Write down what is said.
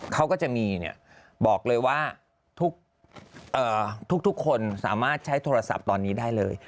เขาก็จะมีบอกเลยว่าทุกคนสามารถใช้โทรศัพท์ตอนนี้ได้เลย